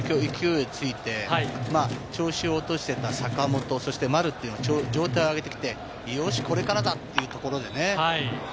交流戦で勢いついて調子を落としていた坂本、そして丸というのが状態を上げてきて、よし、これからだというところでね。